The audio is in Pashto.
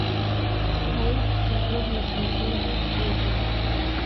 ښایست د ژوند له خوږو لحظو جوړ دی